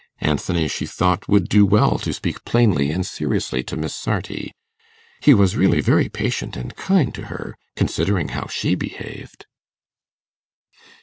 Anthony, she thought, would do well to speak plainly and seriously to Miss Sarti. He was really very patient and kind to her, considering how she behaved.